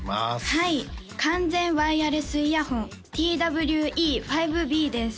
はい完全ワイヤレスイヤホンＴＷ−Ｅ５Ｂです